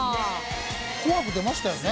『紅白』出ましたよね。